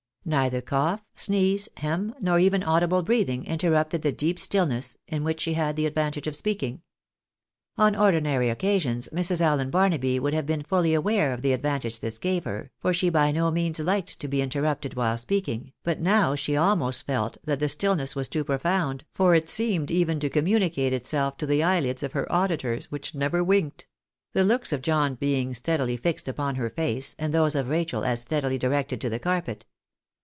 ISTeither cough, sneeze, hem, nor even audible breathing, interrupted the deep still ness in which she had the advantage of speaking. On ordinary occasions Mrs. Allen Barnaby would have been fully aware of the advantage this gave her, for she by no means liked to be inter rupted while speaking, but now she almost felt that the stillness was too profound, for it seemed even to communicate itself to the eyelids of her auditors, which never winked : the looks of John being steadily fixed upon her face, and those of Rachel as steadily directed to the carpet.